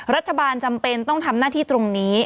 รัฐบาลจำเป็นต้องทำหน้าที่ตรงนี้